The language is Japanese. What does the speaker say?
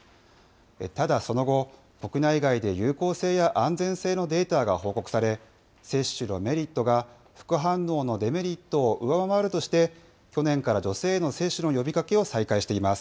ただ、その後、国内外で有効性や安全性のデータが報告され、接種のメリットが副反応のデメリットを上回るとして、去年から女性への接種の呼びかけを再開しています。